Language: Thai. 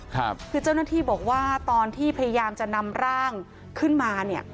คือเจ้าหน้าที่บอกว่าตอนที่พยายามจะนำร่างขึ้นมาเนี่ย